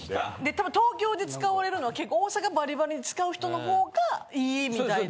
多分東京で使われるのは結構大阪バリバリに使う人の方が良いみたいな。